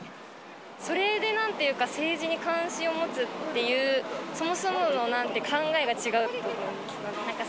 それでなんていうか、政治に関心を持つっていう、そもそもの考えが違うというか。